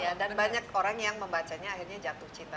iya dan banyak orang yang membacanya akhirnya jatuh cinta